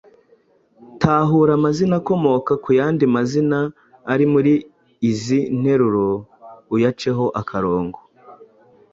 Tahura amazina akomoka ku yandi mazina ari muri izi nteruro uyaceho akarongo: